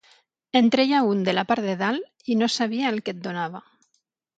En treia un de la part de dalt i no sabia el que et donava.